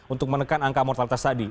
untuk menekan angka mortalitas tadi